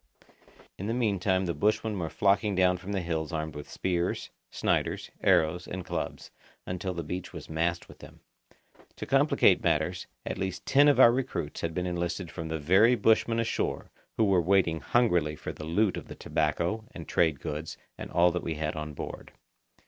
In the meantime the bushmen were flocking down from the hills armed with spears, Sniders, arrows, and clubs, until the beach was massed with them. To complicate matters, at least ten of our recruits had been enlisted from the very bushmen ashore who were waiting hungrily for the loot of the tobacco and trade goods and all that we had on board.